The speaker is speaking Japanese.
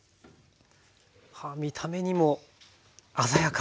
見た目にも鮮やか。